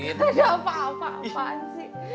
ada apa apaan sih